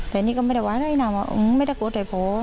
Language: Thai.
แต่นี่ก็ไม่ได้ว่าอะไรนะว่าอื้อไม่ได้กลัวด้วยพ่อ